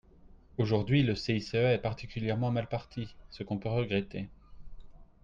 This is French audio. Aujourd’hui, le CICE est particulièrement mal parti, ce qu’on peut regretter.